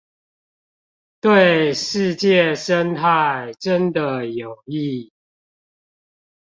對世界生態真的有益